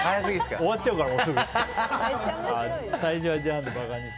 終わっちゃうから。